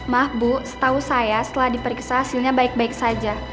maaf bu setahu saya setelah diperiksa hasilnya baik baik saja